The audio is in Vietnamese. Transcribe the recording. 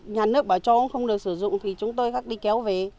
nhà nước bảo cho cũng không được sử dụng thì chúng tôi khắc đi kéo về